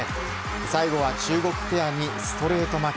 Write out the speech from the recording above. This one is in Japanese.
最後は中国ペアにストレート負け。